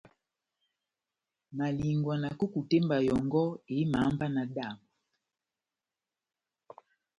Malingwa na kukutemba yɔngɔ eháhá mba náhádambo.